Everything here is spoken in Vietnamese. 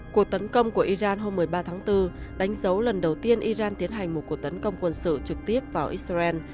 cuộc tấn công của iran hôm một mươi ba tháng bốn đánh dấu lần đầu tiên iran tiến hành một cuộc tấn công quân sự trực tiếp vào israel